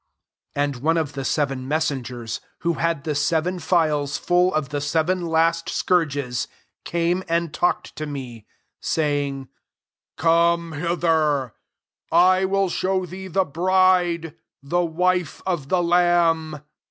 9 And one of [the] seven mes sengers, who had the sevei phials full of the seven last scourges, came and talked to me, saying, "Come hither; I will show thee the bride, \ht wife of the lamb."